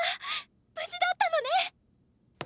無事だったのね！